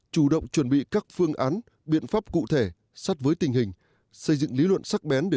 chủ động chuẩn bị các phương án biện pháp cụ thể sát với tình hình xây dựng lý luận sắc bén để